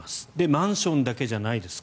マンションだけじゃないです。